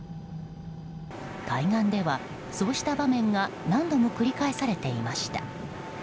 海岸では、そうした場面が何度も繰り返されていました。